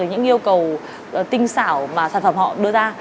những yêu cầu tinh xảo mà sản phẩm họ đưa ra